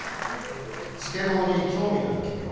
スケボーに興味がある企業？